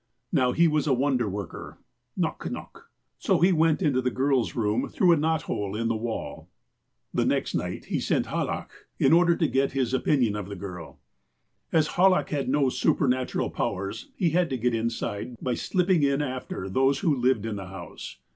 Now, he was a wonder worker (' Nock nock '),' so he went into the girl's room through a knot hole in the wall. The next night he sent Hallach, in order to get his opinion of the girl. As Hallach had no superuatural powers, he had to get inside by slipping in after those who lived in the house.